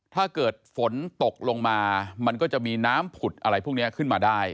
ถ้าเกิดฝนตกลงมามันก็จะมีน้ำผุดอะไรพวกนี้ขึ้นมาได้